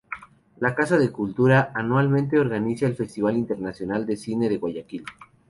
La Casa de la Cultura anualmente organiza el Festival Internacional de Cine de Guayaquil.